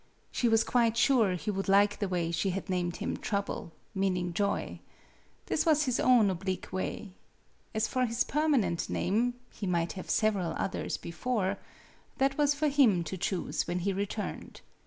She was quite sure he would like the way she had named him Trouble meaning joy. That was his own oblique way. As for his permanent name, he might have several others before, that was for him to choose when he returned.